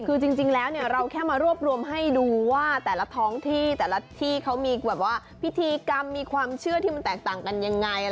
คือจริงแล้วเราแค่มารวบรวมให้ดูว่าแต่ละท้องที่แต่ละที่เขามีแบบว่าพิธีกรรมมีความเชื่อที่มันแตกต่างกันยังไง